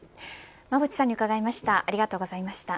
馬渕さんにうかがいました。